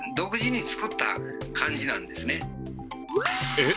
えっ？